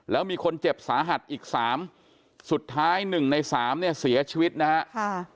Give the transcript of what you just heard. แล้วมีคนเจ็บสาหัสอีก๓สุดท้าย๑ใน๓เนี่ยเสียชีวิตนะฮะ